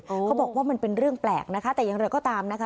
เขาบอกว่ามันเป็นเรื่องแปลกนะคะแต่อย่างไรก็ตามนะคะ